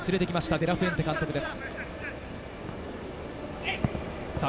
デ・ラ・フエンテ監督です。